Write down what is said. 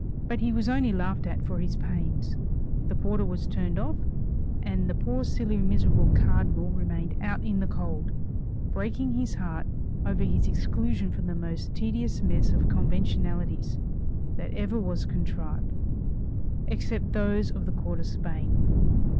But he was only laughed at for his pains; the porter was turned off, and the poor silly miserable cardinal remained "out in the cold," breaking his heart over his exclusion from the most tedious mess of conventionalities that ever was contrived except those of the court of Spain.